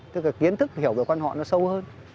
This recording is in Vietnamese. tức là kiến thức hiểu về quan họ nó sâu hơn